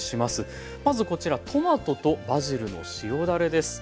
まずこちらトマトとバジルの塩だれです。